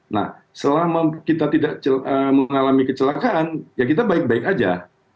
nah selama kita tidak mengalami kecelakaan ya kita baik baik aja